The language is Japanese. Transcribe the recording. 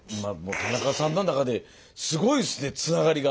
田中さんの中ですごいですねつながりが。